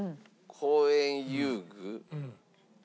公園遊具。